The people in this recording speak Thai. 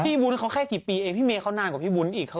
วุ้นเขาแค่กี่ปีเองพี่เมย์เขานานกว่าพี่วุ้นอีก